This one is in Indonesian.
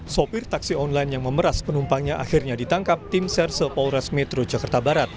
sopir taksi online yang memeras penumpangnya akhirnya ditangkap tim sersel polres metro jakarta barat